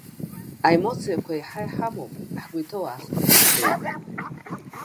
Аемоциақәа еиҳа иҳамоуп, ҳгәы иҭоу аахтны иаҳҳәоит.